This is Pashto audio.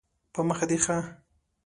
په مخه دې ښه